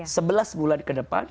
sebelas bulan ke depan